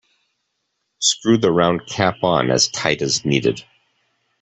Screw the round cap on as tight as needed.